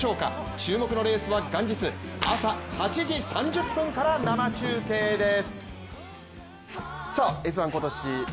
注目のレースは元日朝８時３０分から生中継です。